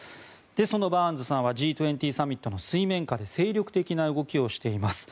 そのバーンズさんはＧ２０サミットの水面下で精力的な動きをしています。